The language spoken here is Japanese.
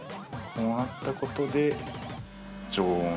◆こうなったことで、常温。